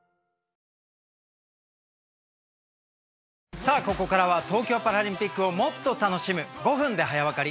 さあここからは東京パラリンピックをもっと楽しむ「５分で早わかり」